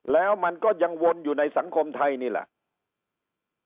แล้วมันก็ยังวนอยู่ในสังคมไทยนี่แหละ